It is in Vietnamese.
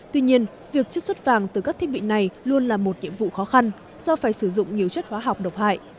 tuy nhiên việc chất xuất vàng từ các thiết bị này luôn là một nhiệm vụ khó khăn do phải sử dụng nhiều chất hóa học độc hại